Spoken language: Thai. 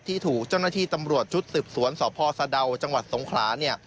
ที่ถูกเจ้าหน้าที่ตำรวจชุดศึกษวนสศสาดาวจังหวัดสงครา